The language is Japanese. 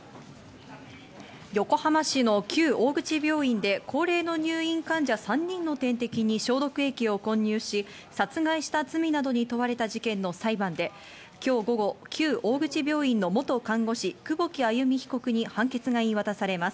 横浜市の旧大口病院で高齢の入院患者３人の点滴に消毒液を購入し、殺害した罪などに問われた事件の裁判で、今日午後、旧大口病院の元看護師・久保木愛弓被告に判決が言い渡されます。